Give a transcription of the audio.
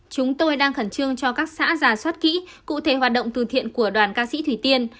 chúng tôi đang khẩn trương cho các xã giả soát kỹ cụ thể hoạt động từ thiện của đoàn ca sĩ thủy tiên